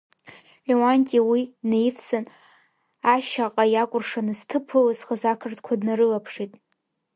Леуанти уи днаивсын, ашьаҟа иакәыршаны зҭыԥ ылызхыз ақырҭқәа днарылаԥшит.